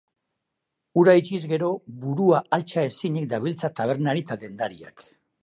Hura itxiz gero burua altxa ezinik dabiltza tabernari eta dendariak.